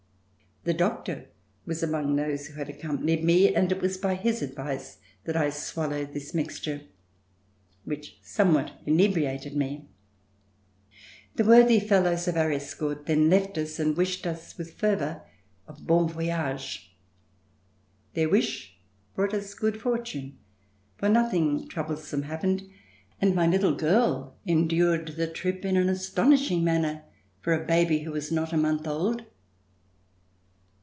The Doctor was among those who had accompanied me and it was by his advice that I swallowed this mixture which some what inebriated me. The worthy fellows of our escort then left us and wished us with fervor a bon voyage. Their wish brought us good fortune for nothing troublesome happened, and my little girl endured the trip in an astonishing manner for a baby who was not a month old.